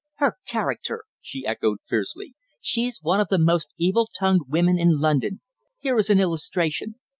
"Her character!" she echoed fiercely. "She's one of the most evil tongued women in London. Here is an illustration.